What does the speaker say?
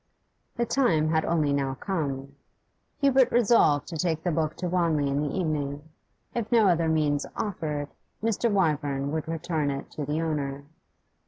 The time had only now come. Hubert resolved to take the book to Wanley in the evening; if no other means offered, Mr. Wyvern would return it to the owner.